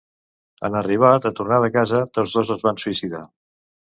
En arribar de tornada a casa, tots dos es van suïcidar.